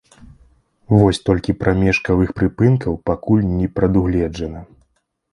Вось толькі прамежкавых прыпынкаў пакуль не прадугледжана.